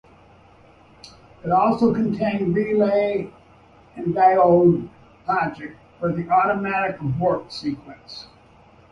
It also contained relay and diode logic for the automatic abort sequence.